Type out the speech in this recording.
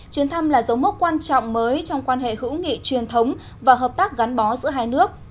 chuyến thăm là dấu mốc quan trọng mới trong quan hệ hữu nghị truyền thống và hợp tác gắn bó giữa hai nước